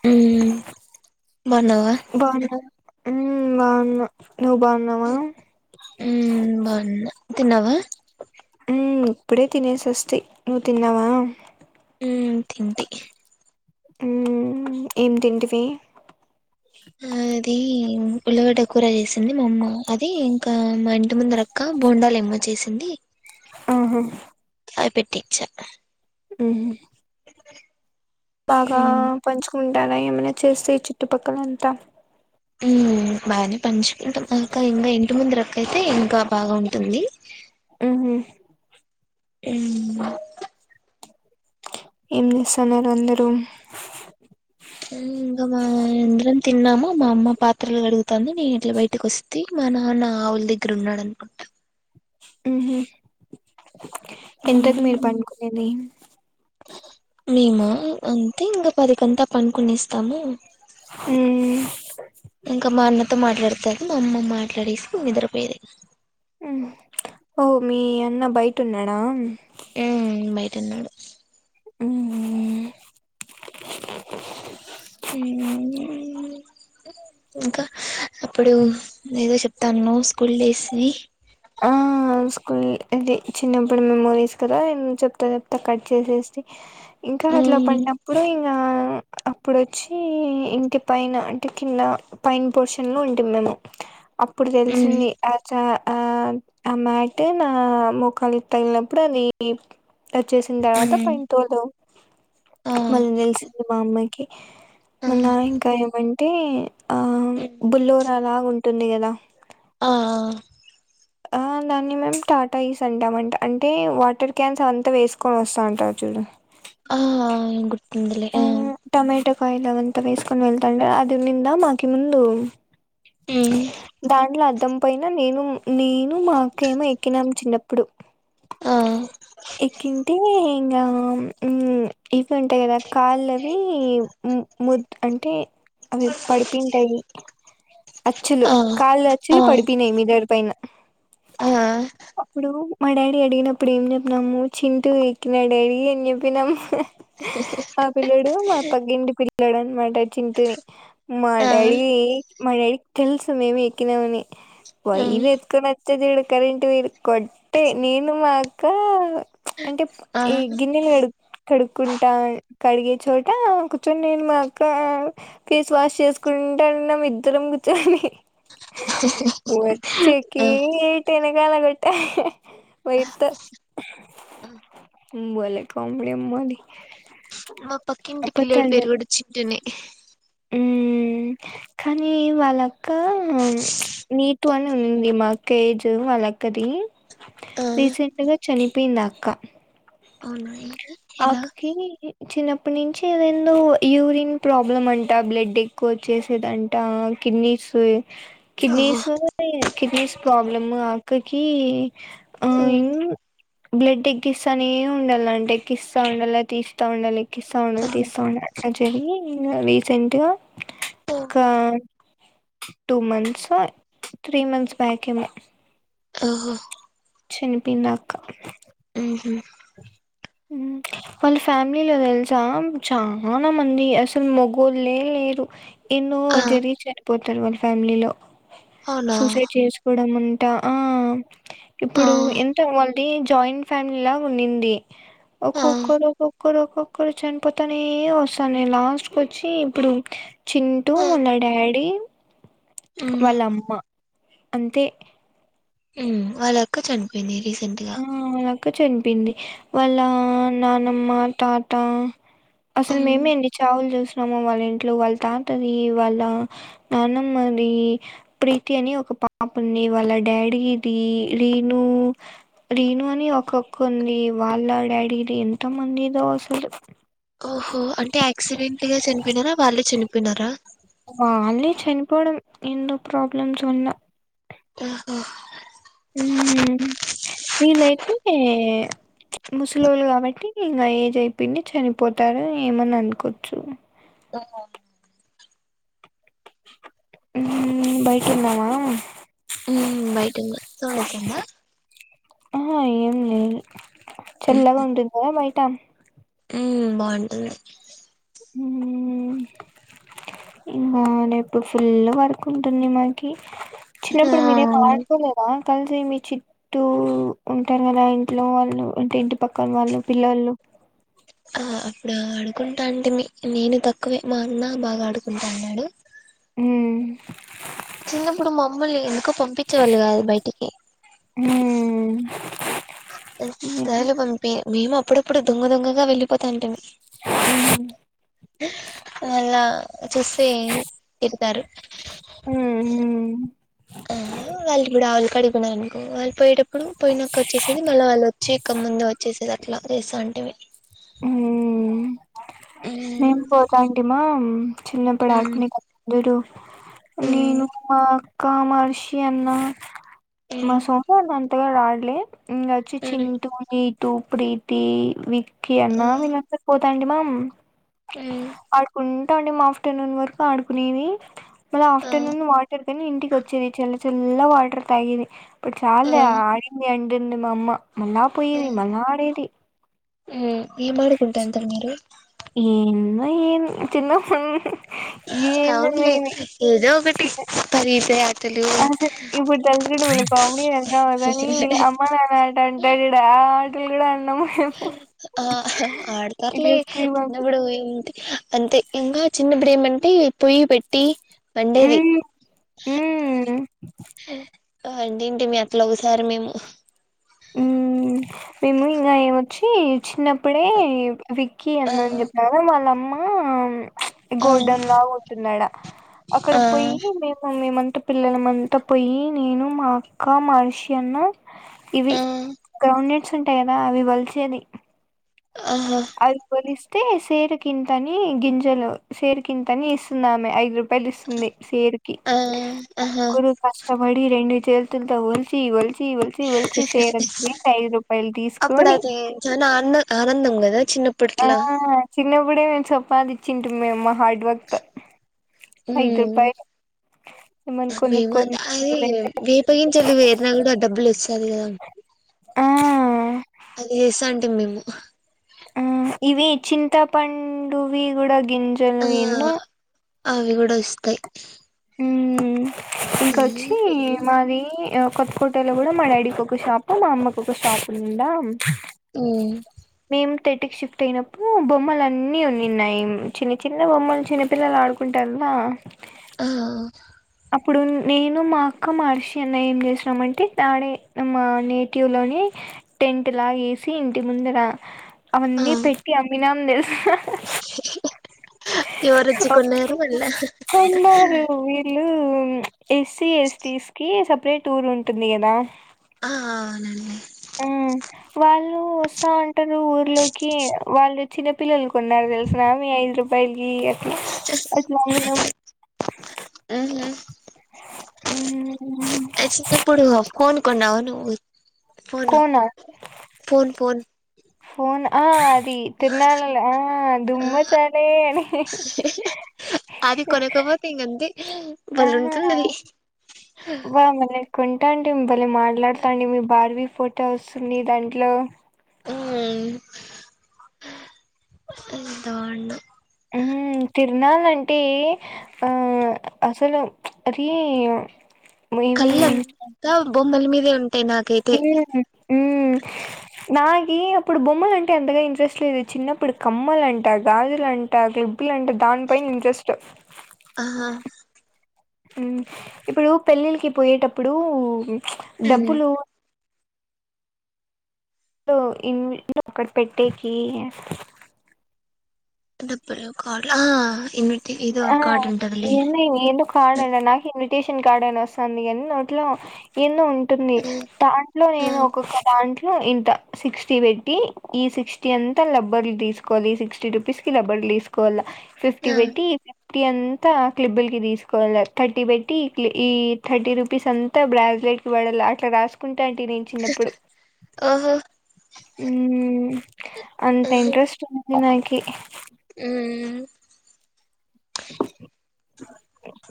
హ్మ్ హు బాన్నవా. హ్మ్! బావున్నా. నువ్ బాన్నావా? ఉమ్ బాగున్నా తిన్నావా? హ్మ్! ఇప్పుడే తినేసి వస్తి. నువ్వు తిన్నావా? హ్మ్! తింటి. హ్మ్! ఏమి తింటివి? ఆ అది ఉల్లిగడ్డ కూర చేసింది మా అమ్మ. అది ఇంకా మా ఇంటి ముందు అక్క బోండాలు ఏమో చేసింది. హ్మ్ హూ! అయిపెటిచ్చ. ఉహు బాగా ఉమ్ పంచుకుం అలా ఏమైనా చేస్తే ఈ చుట్టుపక్కల అంతా ఉమ్ బానే పంచుకుంటాంకా ఇంకా ఇంటి ముందు రెక్క అయితే ఇంకా బాగా ఉంటుంది ఉమ్ ఉమ్ ఏం చేస్తున్నారు అందరూ ఇంకా మా అందరం తిన్నామా మా అమ్మ పాత్రలు అడుగుతాను నేను ఇట్లా బయటకి వస్థి మా నాన్న ఆవుల దగ్గర ఉన్నాడు అనుకుంటాను ఉ ఉహ్ ఎంతది ఉమ్ మీరు పండుకునేని మేమా అంతే ఇంకా పదికంతా పనుకుని ఇస్తాము ఉమ్ మత్త మాట్లాడుతారు మా అమ్మ మాట్లాడేసి నిద్రపోయది ఉమ్ ఓ మీ అన్న బయట ఉన్నాడా ఉ బయటున్నాడు ఉమ్ ఉ ఉమ్ ఇంకా అప్పుడు ఏదో చెప్తాండవ్ స్కూల్ డేస్ ని కొన్ని అది చిన్నప్పుడు మెమోరీస్ కదా న చెప్తా చెప్తా కట్ చేసేసి ఇంకా అట్ల ఉమ్ పడినప్పుడు ఇంకా అప్పుడొచ్చి ఇంటి పైన అంటే కింద పైన్ పోర్షన్లో ఉంటాం మేము అప్పుడు ఉమ్ తెలిసింది ఆ చార ఆ మాట నా మూక్కాలి తగిలప్పుడు అది వచ్చేసిన తర్వాత ఉమ్ పైన తోద ఆ మళ్ళీ తెలిసింది మా అమ్మాయి ఆ మన్నాకాయ ఏమన్నా తీ ఆ బుల్లోర అలాగు ఉంటుంది కదా ఆ అ ఆ దాన్ని మేము టాటా ఈస్ అంటామంట అంటే వాటర్ క్యాన్స్ అంతా వేసుకొని వస్తా అంటారు చూడు ఆ ఏంటి ఇందల ఆ కాయిల అ అంతా వేసుకొని వెళ్తాంట అది నింద మాకి ముందు ఉమ్ దాడ్లా దం పైన నేను నేను మాకేమో ఎక్కినాము చిన్నప్పుడు ఆ ఎకింగ్ంటి ఇవి ఉంటాయి కదా కాళ్ళ అవి ము ముద్ అంటే అవి పడిపింటాయి అచ్చులు ఆ కాళ్ళు అచ్చులు పడిపోయినాయి మీ దగ పైన ఆ అప్పుడు మా డాడీ అడిగినప్పుడు ఏం చెప్పినాము చింటూ ఎక్కిన డాడీ అని చెప్పినాము పిల్లడు మా పగ్గింటి పి ల్లడన్ మాట చింటుని మా ఆ ఆ డ్యాడీ యి మా డ్యాడిక్ తెల్సు మేమే ఎక్కినామని ఉమ్ వైర్ ఎత్కోన్ అచ్చే చుడు కరెంట్ వైర్ కోడ్తె నేను మా అక్కా అంటేప్ ఆ ఇ గిన్నెల్ కడు కడు కుంటా కడిగే చోట కూర్చొని నేను మాక్క ఫేస్ వాష్ చేసుకుంటాన్నాం ఇద్దరం కూర్చొని. వచ్చే ఆ కిట్ ఎనకాల కొట్ త వైర్ తో ఉం బలే కాండీ అంబాలి మా పక్కంటి పిల్లడి పేరు కూడా చింటూనే ఉమ్మ్ కానీ వాళ్ళక్ కామ్ నీట్ మా అక్క ఏజ్ అనమోదీమా కేజ్ వాళ్ళక్కది ఆ రీసెంట్ గ చనిప్ పీంద అక్క అవున ఎ ఆకకి చిన్నప్పటి నుంచి ఏదేందో యూరిన్ ప్రాబ్లమ్ అంట బ్లడ్ ఎక్కువ వచ్చేసేదంట కిడ్నీస్ ఓహో కడ్నీస్ డ్నీస్ ప్రాబ్లమ్ ఆక్ క్కకాక్ ఉమా బ్లడ ఎక్కిస్త నే ఉంద్డా రాల్ ట్రయల్ ల్ అంటే ఇస్తా ఉండాలి తీస్తా ఉండలి తిస్తా ఉండాలి ఓహో తీస్తా ఉండాలి అక్చుఅల్లీ నిజమే మేమే నేను రీసెంట్గా ఒక టూ మంత్స్ఒ త్రీ మంత్స్ బ్యాక్ ఏమో ఓహో చనిపోయింది ఆ పోయింది. చూళ్ళి ఉం హుమ్ ఉమ్ వాళ్ళ ఫ్యామిలీలో తెల్సా చాలా మంది. అసలు మొగోళ్లే లేరు. ఎన్నో ఆ అడ్ జరిగిచ్చార పోతారు వాళ్ళ ఫ్యామిలీలో అవునా సూసైడ్ చేసుకోవడం మ్ ఆ ఇప్పుడు ఎంత వా జయింట్ ఫ్యామిలీ లా ఉన్నింది ఒ ఆ కోక్కరు కొక్కరు కుచొని పోతనే వస్తా నేన్ లాస్ట్ కొచ్చి ఇప్పుడు చింటూ ఆ మళ్ళ డాడీ ఉమ్ వాళ్ళ అమ్మా అంతే మ్ వాళ్ళక్క చనిపోయింది రీసెంట్గా చనిపియింది వాళ్ళ నానమ్మ తాత అసలు ఉమ్ మేమేఎన్ని చావులు చూస్ అమ్మమ వాళ్ళ ఇంట్లో వాళ్ళ తాతది వాళ్ళ నానమ్మ ది ప్రీతి అని ఒక పాప ఉంది వాళ్ళ డాడీది రీను రీను అని ఒక్కక్క ఉంది వాళ్ళ డాడీది ఎంత మంది దో అసలు హో అంటే యాక్సిడెంట్ గా చనిపోయినారా వాళ్ళే చనిపోయినారా వాళ్ళే చనిపోవడం ఎన్నో ప్రాబ్లమ్స్ ఉన్న ఆహా మ్.. వీళ్ళైతే ముసలోళ్ళు కాబట్టి ఇంకా ఏజ్ అయిపోయింది చనిపోతారు ఏమన్నా అనుకోవచ్చు [unintelligible] మ్... బయట ఉందవా ఉ బయటింద సోనిజంగ ఆహా ఏం లేదు చల్లగా ఉంటుంది కదా మై మ్ మ్ బావుంటుంది మ్ ఇంకా రేపు ఫుల్ వర్క్ ఉంటుంది మాకి ఆ చిన్నప్పుడు మీరే అవును మటాడుకోలేద కలిసి మీ చుట్టూ ఉంటారు కదా ఇంట్లో వాళ్ళు అంటే ఇంటి పక్కన వాళ్ళు పిల్ల ళ్ళు ఆ అప్పుడు ఆడుకుంటా అంటి మీ నేను తక్కువే మా అన్న బాగా ఆడుకుంటా అన్నాడు మ్... చిన్నప్పుడు మామ్మల్ని ఎందుకో పంపించే వాళ్ళు కాదు బయటికి హ్మ్ హ్మ్ ఖచ్చితంగా పంపియరు ఏమో అప్పుడప్పుడు దొంగ దొంగగా వెళ్ళిపోతాంటిమి మళా చుసేం తిడతారు హ్మ్ నేనుకో పోయేటప్పుడు పోయినంక వచ్చేసేది మళ్ళ వాళ్ళ వచ్చి ఇక ముందు వచ్చేసేద ఇట్లా రెసంటివి ఉమ్ మేం పో కాంటీమా చిన్నప్పుడు ఆడుకుని కందడు నినో కామర్షి అన్న మా సొఫా దాన్ తే డాడీ లే ఇంగ అచ్చి చింటూ ఈ టు ప్రీతి వి కి అన్నా వీళ్ళందర్ పొ తండి మమ్ ఆడుకున్ ట్టండి మా ఆఫ్టర్నూన్ వరకు ఆడుకునేది మళఆఫ్టర్నూన్ వాటర్ తిని ఇంటి కొచ్చెది చల్ల చల్ల వాటర్ తాగేది ఇప్పుడు చాల్ల ఆడింది అం రెండి మా అమ్మ మళ్ళా పోయేది మళ్ళా అడేది ఉమ్ ఏం ఆడుకుంటాంటారు మీరు ఏన్ ఏమ్ చిన్నప్ప ఏందో అవునులే మిని ఏదో ఒకటి చి పరిగెత్తే ఆటలు అసలు ఇప్పుడు తలుసుకుంటే మలే కామెడీ అన్నావు కాని వీళ్ళ అమ్మ నాన్నట అంటార్ చూడు ఆ ఆ నీన్ గుడా ఆ ఆహా ఆడతర్లే ఇట్లా స్కూల్ పంపి చిన్నప్పుడు ఏంటి అంతే ఇంగా చిన్నప్పుడు ఏమంటే పొయ్యి పెట్టి వండేది మ్మ్ మ్మ్ ఆ అండీంటి మీ అట్లోగసారి మేము ఉమ్ మేము ఇంకా ఏమొచ్చి చిన్నప్ ఇప్పుడే విక్కీ ఆ అన్నని చెప్పిన వాళ్ళ అమ్మ ఆ గోల్డెన్ లాగా ఉంటున్నాడా అక్కడకి పోయి ఆ మేము మేమ పిల్లలమంతా పోయి నేను మా అక్క మహర్షి అన్న ఇవి ఆ గ్రౌం నెట్ నట్స్ ఉంటాయి కదా అవి వలిసేది ఆహా అది వొలిస్తే అతే సేరు కంతని గింజలు సేరు కంతని ఇస్తున్నామే ఐదు రూ పలిస్తుంది సేరుకి ఆ ఆహా ముగ్గురు కష్టపడి రెండు చేతుల్తో ఒలిచి ఒలిచి ఒలిచి ఒలిచి సేరంత చేసి ఐదు రూపాయలు అప్పుడు తీసుకొని అది జనా ఆ ఆనందం కదా చిన్నప్పటిలా ఇప్పుడే మేము సంపాదించితిమి మేము వర్క్ తో ఐదు ఉమ్ రూపాయలు ఏమన్నా అదే కొనుక్కొని అది తినేదంటే వేపగింజలు వేరనా కూడా ఆ డబ్బులు వస్త అది కదా ఆ అది చేసాంట మేము ఆ ఇవి చింతాపండువి గు గింజలు ఆ ఏందో అవి కూడా వస్తాయి ఉమ్ ఇంకొచ్చి మాది కొత్త కోటలో కూడా మా డాడీకి ఒక షాపు మా అమ్మకు ఒక షాప్ ఉందా ఉమ్ ఏం థర్టీ షిఫ్ట్ అయినప్పుడు బొమ్మలు అన్ని ఉన్నిన్నాయి చిన్న చిన్న బొమ్మలు చిన్నపిల్లలు ఆడుకుంటారు ఆ అప్పుడు నేను మా అక్క మహర్షి అన్న ఏం చేసినామ అంటే తడే మా నేటివ్లోని టెంట్లాగ వేసి ఇంటి ముంద రా ఆ అవన్నీ పెట్టి అమ్మినా తెలు [inaudible] [unintelligible] ఎవరొచ్చి కొన్నారు మళ్ళా అ ఏసీ ఏస్టీస్కి సబ్ సెపరేట్ ఊరు ఉంటుంది కదా ఆ నం స అంటారు ఊర్లోకి వాళ్ళు చిన్న పిల్లలు కొన్నారు తెలుసునా మీ ఐదు రూపాయలకి అట్లాగినం ఉహు ఉమ్ హు ఫోన ఫోన్ ఫోన్ ఫోన్ ఆద్ తి తిరునాలల్ల ఆ ఆ! దుమ్మచాలే అని బలె వుంటదది వన్ మినేట్ కొంటాంటె ఫోన్లో మాట్లాడతాండి మీ బార్బిస్ ఫోటోఒస్తుంది దాంట్లో హ్మ్ ఎంతబావుండే తిర్నాలంటే ఆ అసలు అదీ కళ్ళన్ కావును బొమ్మల మీదే ఉన్ హ్మ్ ఉమ్ బాయ్ ఏ అప్పుడు బొమ్మలంటే అంతగా ఇంట్రెస్ట్ లేదు చిన్నప్పుడు కమ్మలంట, గాజులంట, క్లిప్పులంట దానిపైన ఇంట్రెస్ట్ ఆహా ఇప్పుడు పెళ్ళిల్ల్కి పోయేటప్పుడు డబ్బులు డు ఇన్ అక్కడ పెట్టేకి గుర్తులు కార్డ్లా ఇం ఆ ఎన్నయ్ ఎందు కాడ నాకు టేషన్ కార్డ్ అనొస్తాంది గనీ నోట్లో ఎన్నో ఉన్ టుంది దాంట్లో ఏదోక్కొక్క దంట్ ట్లో ఇంత సిక్స్టీ పెట్టి ఈ సిక్స్టీ అంతా లబ్బర్లు తీసుకోవాలి సిక్స్టీ రుపీస్ కి లబ్బర్లు తీసుకోవాల. ఫిఫ్టీ పెట్టి ఫ్టీ అంతా క్లిబుల్ కి తీసుకోవాల, థర్టీ పెట్టి క్లి ఈ థర్టీ రూపీస్ అంతా బ్రాస్లెట్ కి వాడాల అట్లా రాసుకుంట్ టాంటి నేన్ చిన్నప్పుడు ఓహో అంత ఇంట్రెస్ట్ నాకి ఉమ్ ఉమ్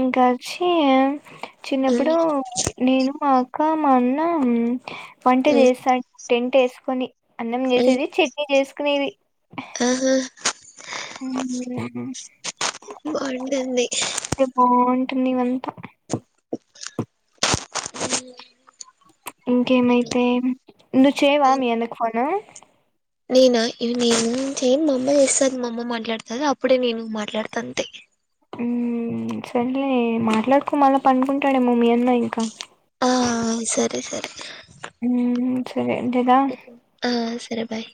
ఇంకా చి చిన్నప్పుడూ నేను మా అక్ కా మనం పంటిది ఇస్తాన్ టెంట్ వేసుకొని అన్నం చేసేది చట్నీ చేస్ కొనేది ఆహా హుహు బాగుంటుంది ఐ బాగుంటుంది ఇవన్ అ ఇంకేం అయితే నువ్వు చెయ్యవా మీ అన్నకు ఫోను నేనా ఇవి నేను చేను మా అమ్మ చేస్తది మా అమ్మ మాట్లాడతాది అప్పుడే నేను మాట్లాడుతా అంతే యూ సర్లే మాట్లాడుకో మల్ల పడుకుంటాడేమో మీ అన్న ఇంకా ఆ సరే సరే యూ సరే అంతేగా ఆ సరే బాయ్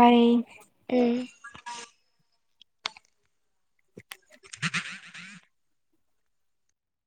బాయ్ యూ